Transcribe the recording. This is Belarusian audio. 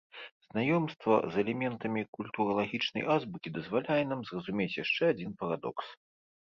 Знаёмства з элементамі культуралагічнай азбукі дазваляе нам зразумець яшчэ адзін парадокс.